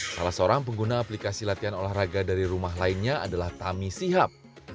salah seorang pengguna aplikasi latihan olahraga dari rumah lainnya adalah tami sihab